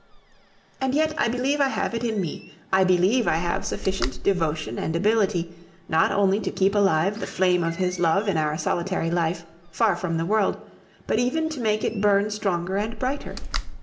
And yet I believe I have it in me, I believe I have sufficient devotion and ability, not only to keep alive the flame of his love in our solitary life, far from the world, but even to make it burn stronger and brighter.